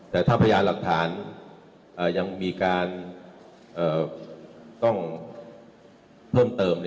แต่ถ้าพยานหลักฐานยังมีการต้องเพิ่มเติม